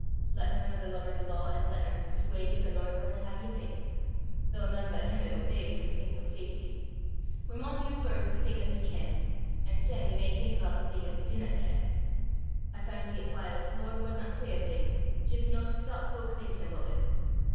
"Lat nane o' the lovers o' law an' letter perswaud ye the Lord wadna hae ye think though nane but him 'at obeys can think wi' safety. We maun do first the thing 'at we ken, an' syne we may think aboot the thing 'at we dinna ken. I fancy 'at whiles the Lord wadna say a thing jist no to stop fowk thinkin' aboot it.